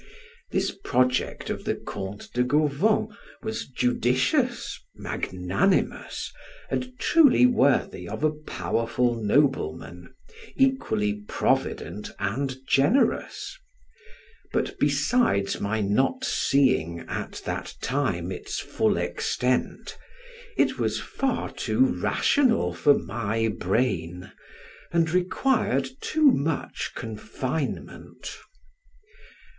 This project of the Count de Gauvon was judicious, magnanimous, and truly worthy of a powerful nobleman, equally provident and generous; but besides my not seeing, at that time, its full extent, it was far too rational for my brain, and required too much confinement.